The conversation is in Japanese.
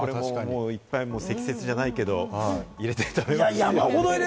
いっぱい積雪じゃないけれども、入れて食べると。